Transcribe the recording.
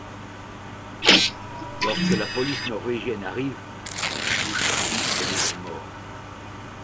Lorsque la police norvégienne arrive, Bouchikhi est déja mort.